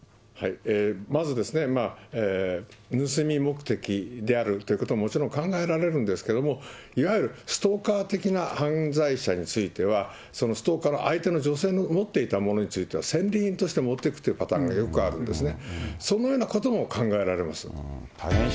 まずですね、盗み目的であるということももちろん考えられるんですけれども、いわゆるストーカー的な犯罪者については、ストーカーの相手の女性の持っていたものについては、戦利品として持っていくというパターンがよくあるんですね。